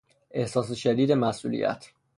احساس شدید مسئولیت